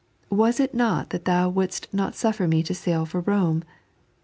Was it not that Thou wouldest not suffer me to to set sail for Bome